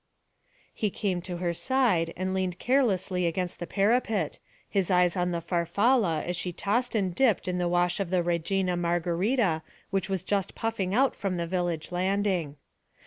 He came to her side and leaned carelessly against the parapet, his eyes on the Farfalla as she tossed and dipped in the wash of the Regina Margarita which was just puffing out from the village landing.